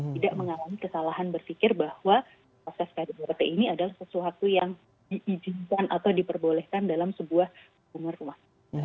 tidak mengalami kesalahan berpikir bahwa proses kdrt ini adalah sesuatu yang diizinkan atau diperbolehkan dalam sebuah umur rumah